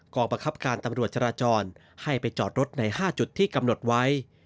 ประคับการตำรวจจราจรให้ไปจอดรถใน๕จุดที่กำหนดไว้